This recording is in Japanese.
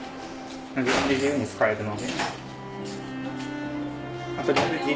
自分で自由に使えるので。